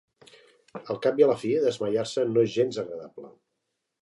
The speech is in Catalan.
Al cap i a la fi desmaiar-se no és gens agradable.